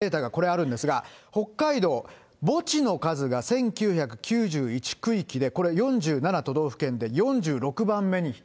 そうなんです、北海道のデータがこれ、あるんですが、北海道、墓地の数が１９９１区域で、これ、４７都道府県で４６番目に。